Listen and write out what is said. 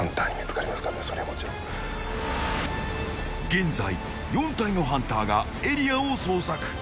現在４体のハンターがエリアを捜索。